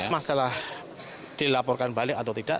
masalah dilaporkan balik atau tidak